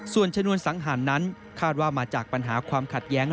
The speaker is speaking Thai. ส่วนชนวนสังหารนั้นคาดว่ามาจากปัญหาความขัดแย้ง